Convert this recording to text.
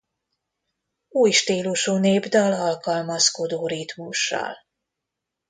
Új stílusú népdal alkalmazkodó ritmussal.